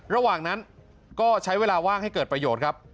ระหว่างนั้นก็ใช้เวลาว่างให้เกิดประโยชน์ครับ